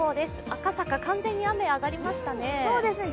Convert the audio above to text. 赤坂、完全に雨が上がりましたね。